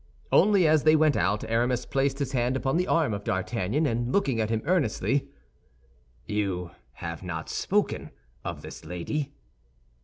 Only as they went out Aramis placed his hand upon the arm of D'Artagnan, and looking at him earnestly, "You have not spoken of this lady?"